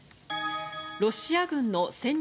ロシア軍の戦略